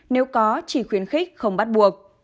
nếu có chỉ khuyến khích không bắt buộc